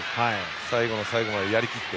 最後の最後までやり切って。